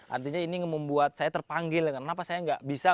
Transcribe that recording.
artinya ini membuat saya terpanggil kenapa saya nggak bisa